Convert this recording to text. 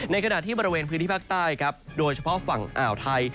ขณะที่บริเวณพื้นที่ภาคใต้ครับโดยเฉพาะฝั่งอ่าวไทย